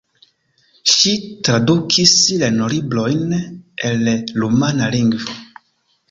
Ŝi tradukis lernolibrojn el rumana lingvo.